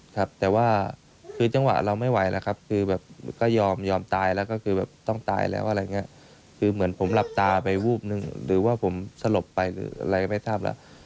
คือเหมือนผมหลับตาไปวูบหนึ่งหรือว่าผมสลบไปหรืออะไรก็ไม่ทราบแล้ว